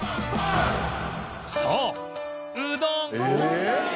そううどん！